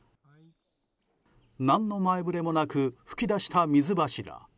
何の前触れもなく噴き出した水柱。